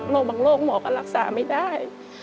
บางโรคหมอก็รักษาไม่ได้